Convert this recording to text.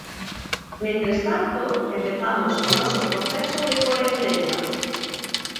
Mentres tanto, empezamos o noso proceso de corentena.